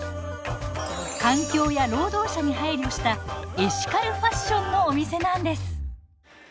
環境や労働者に配慮したエシカルファッションのお店なんです。